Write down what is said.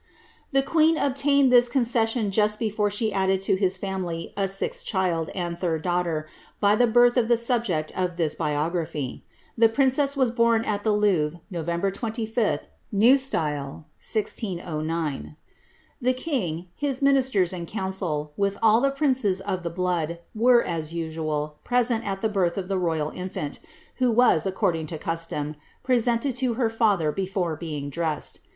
The queen obtained this concession just before she added to his family a sixth child and third daughter, by the birth of the subject of this biography. The princess was bom at the Louvre, Nov. 25, N. S., 1609. The king, his ministers, and council, with all the princes of tlie blood, were, as usual, present at the birth of the royal inftint, who waa, according to custom, presented to her father before being dressed.